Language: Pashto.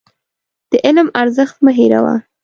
د علم ارزښت مه هېروه.